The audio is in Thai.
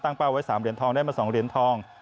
เป้าไว้๓เหรียญทองได้มา๒เหรียญทอง